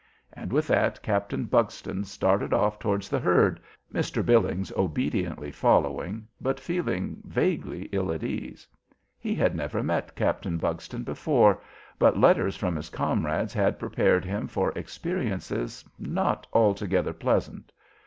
And with that Captain Buxton started off towards the herd, Mr. Billings obediently following, but feeling vaguely ill at ease. He had never met Captain Buxton before, but letters from his comrades had prepared him for experiences not altogether pleasant.